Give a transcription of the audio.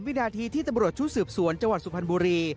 วินาทีที่ตำรวจชุดสืบสวนจังหวัดสุพรรณบุรี